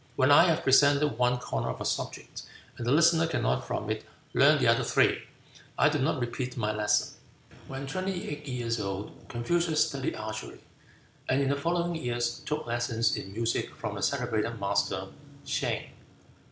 When I have presented one corner of a subject, and the listener cannot from it learn the other three, I do not repeat my lesson." When twenty eight years old Confucius studied archery, and in the following years took lessons in music from the celebrated master, Seang.